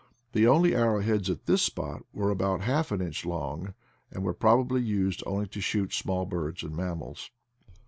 The only arrow heads at this spot were about half an inch long, and were probably used only to shoot small birds and mammals.